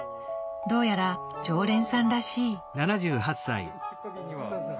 どうやら常連さんらしい。